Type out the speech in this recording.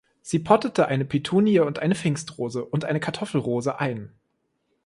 Sie pottete eine Petunie und eine Pfingstrose und eine Kartoffelrose ein.